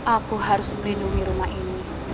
aku harus melindungi rumah ini